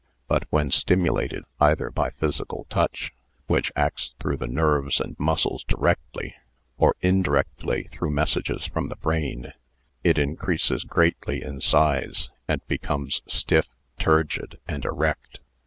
But when stimu lated, either by physical touch which acts through the nerves and muscles directly, or indirectly through messages from the brain, it increases greatly in size, and becomes stiff, turgid and erect.